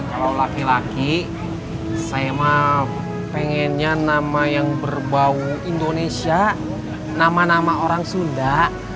kalau laki laki saya mah pengennya nama yang berbau indonesia nama nama orang sunda